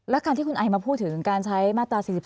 และการที่คุณไอมาพูดถึงการใช้มาตรา๔๔